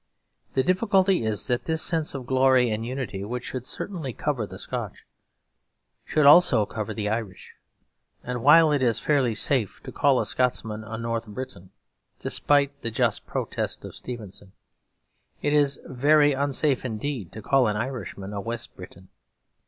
The difficulty is that this sense of glory and unity, which should certainly cover the Scotch, should also cover the Irish. And while it is fairly safe to call a Scotsman a North Briton (despite the just protest of Stevenson), it is very unsafe indeed to call an Irishman a West Briton.